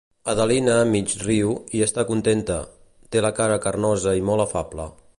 Adelina mig-riu i està contenta; té la cara carnosa i molt afable.